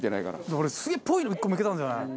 俺すげえっぽいの１個見付けたんですよね。